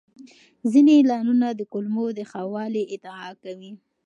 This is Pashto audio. ځینې اعلانونه د کولمو د ښه والي ادعا کوي.